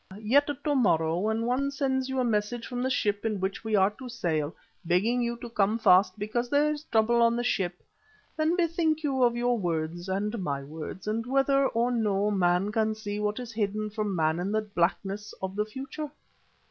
Yet when to morrow one sends you a message from the ship in which we are to sail, begging you to come fast because there is trouble on the ship, then bethink you of your words and my words, and whether or no man can see what is hidden from man in the blackness of the future.